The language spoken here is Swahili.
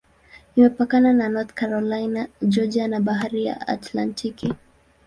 Imepakana na North Carolina, Georgia na Bahari ya Atlantiki.